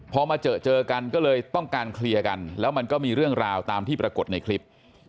พอมาเจอเจอกันก็เลยต้องการเคลียร์กันแล้วมันก็มีเรื่องราวตามที่ปรากฏในคลิป